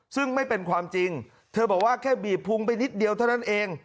ซึ่งไม่เป็นความจริงเธอบอกว่าแค่บีบพุงไปนิดเดียวเท่านั้นเอง